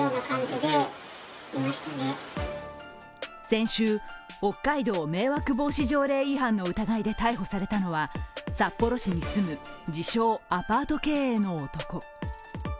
先週、北海道迷惑防止条例違反の疑いで逮捕されたのは札幌市に住む自称・アパート経営の男。